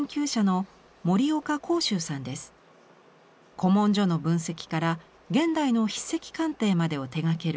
古文書の分析から現代の筆跡鑑定までを手がける